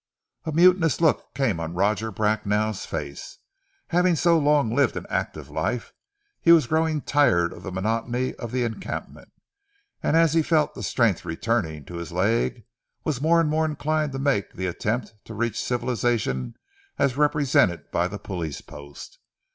A mutinous look came on Roger Bracknell's face. Having so long lived an active life, he was growing tired of the monotony of the encampment, and as he felt the strength returning to his leg was more and more inclined to make the attempt to reach civilization as represented by the police post.